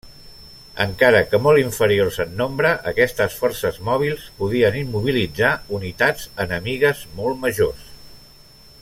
Encara que molt inferiors en nombre, aquestes forces mòbils podien immobilitzar unitats enemigues molt majors.